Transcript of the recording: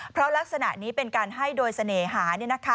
เพราะลักษณะนี้เป็นการให้โดยเสน่หา